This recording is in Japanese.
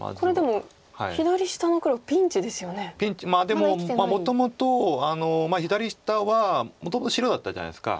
でももともと左下はもともと白だったじゃないですか。